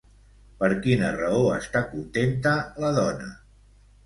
Per quina raó està contenta la dona?